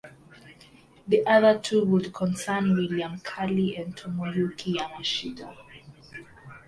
The other two would concern William Calley and Tomoyuki Yamashita.